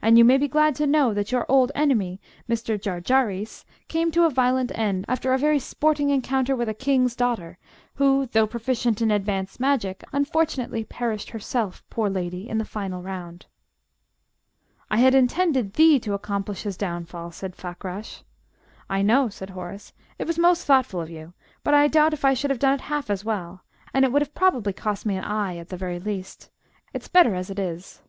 "And you may be glad to know that your old enemy, Mr. Jarjarees, came to a violent end, after a very sporting encounter with a King's daughter, who, though proficient in advanced magic, unfortunately perished herself, poor lady, in the final round." "I had intended thee to accomplish his downfall," said Fakrash. "I know," said Horace. "It was most thoughtful of you. But I doubt if I should have done it half as well and it would have probably cost me an eye, at the very least. It's better as it is."